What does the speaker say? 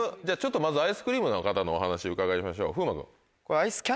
じゃあちょっとアイスクリームの方のお話を伺いましょう風磨君。